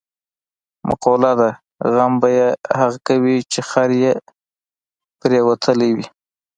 مقوله ده: غم به یې هغه کوي، چې خر یې پرېوتلی وي.